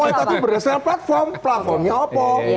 politik kualitatif berdasarkan platform platformnya apa